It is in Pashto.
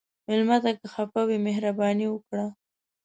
مېلمه ته که خفه وي، مهرباني وکړه.